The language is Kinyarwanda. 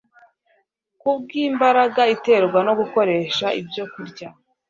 Kubwo imbaraga iterwa no gukoresha ibyokurya